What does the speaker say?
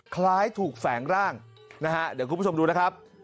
คล้ายถูกแฝงร่างนะฮะเดี๋ยวคุณผู้ชมดูนะครับ